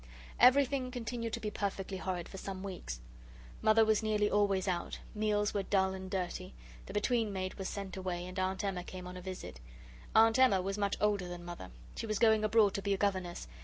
Everything continued to be perfectly horrid for some weeks. Mother was nearly always out. Meals were dull and dirty. The between maid was sent away, and Aunt Emma came on a visit. Aunt Emma was much older than Mother. She was going abroad to be a governess.